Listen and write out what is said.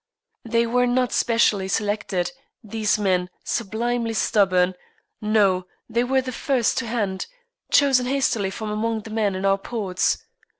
They were not specially selected, these men sublimely stubborn; no, they were the first to hand, chosen hastily from among the men in our ports.